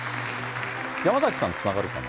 山崎さん、つながるかな？